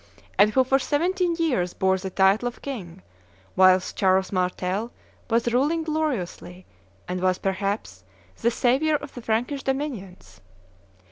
and who for seventeen years bore the title of king, whilst Charles Martel was ruling gloriously, and was, perhaps, the savior of the Frankish dominions.